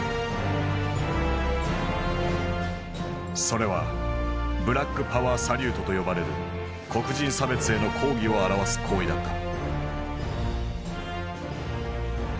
それは「ブラックパワー・サリュート」と呼ばれる黒人差別への抗議を表す行為だった。